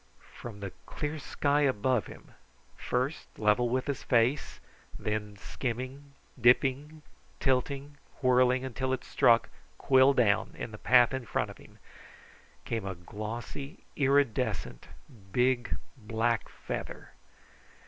From the clear sky above him, first level with his face, then skimming, dipping, tilting, whirling until it struck, quill down, in the path in front of him, came a glossy, iridescent, big black feather.